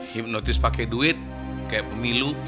hipnotis pakai duit kayak pemilu